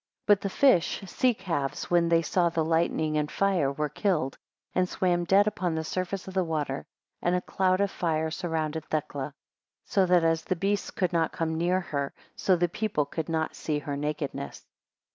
9 But the fish (sea calves) when they saw the lightning and fire, were killed, and swam dead upon the surface of the water, and a cloud of fire surrounded Thecla; so that as the beasts could not come near her, so the people could not see her nakedness.